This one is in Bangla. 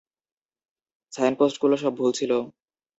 সাইনপোস্টগুলো সব ভুল ছিল।